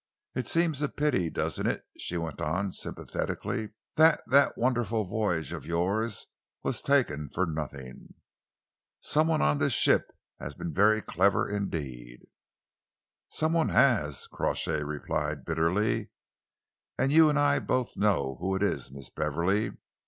It seems a pity, doesn't it," she went on sympathetically, "that that wonderful voyage of yours was taken for nothing? Some one on this ship has been very clever indeed." "Some one has," Crawshay replied bitterly, "and you and I both know who it is, Miss Beverley.